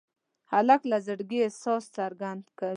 هلک له زړګي احساس څرګندوي.